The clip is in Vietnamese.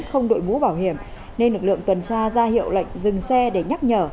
không đội mũ bảo hiểm nên lực lượng tuần tra ra hiệu lệnh dừng xe để nhắc nhở